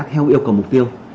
theo yêu cầu mục tiêu